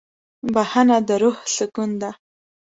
بښنه د روح سکون ده.